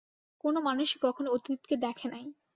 কোন মানুষই কখনও অতীতকে দেখে নাই।